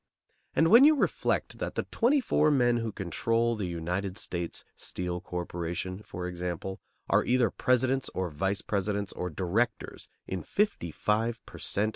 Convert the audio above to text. And when you reflect that the twenty four men who control the United States Steel Corporation, for example, are either presidents or vice presidents or directors in 55 per cent.